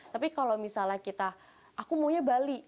tapi kalau misalnya kita aku maunya bali